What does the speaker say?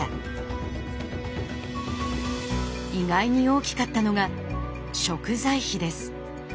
意外に大きかったのが食材費です。